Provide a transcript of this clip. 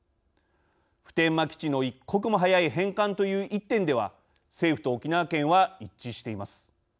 普天間基地の一刻も早い返還という１点では政府と沖縄県は一致しています。